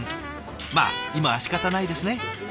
まあ今はしかたないですね。